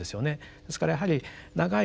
ですからやはり長い